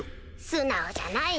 素直じゃないね。